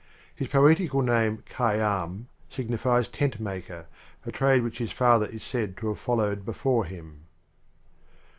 His poetical name, Khayyam, signi fies tent maker, a trade which his father is said to have followed before him.